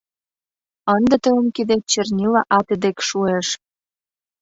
Ынде тыйын кидет чернила ате дек шуэш.